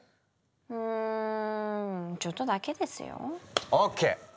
うんちょっとだけですよ。ＯＫ！